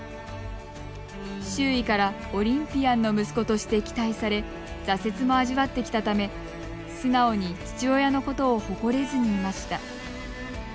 周囲からオリンピアンの息子として期待され挫折も味わってきたため素直に父親のことを誇れずにいました。